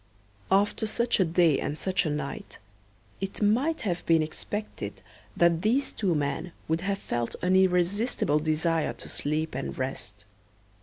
After such a day and such a night, it might have been expected that these two men would have felt an irresistible desire to sleep and rest.